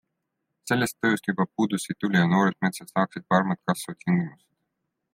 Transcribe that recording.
Sellest tööst juba puudus ei tule ja noored metsad saaksid paremad kasvutingimused.